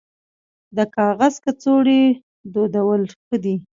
د کاغذ کڅوړې دودول ښه دي